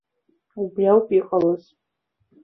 Убри ауп иҟалаз.